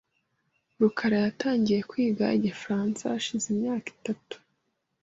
rukara yatangiye kwiga igifaransa hashize imyaka itatu .